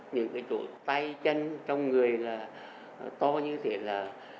những cái chỗ tay chân trong người là to như thế là